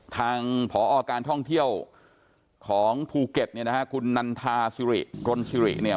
ทางผการท่องเที่ยวของภูเก็ตคุณนันทาศิริโกรนศิริเนี่ย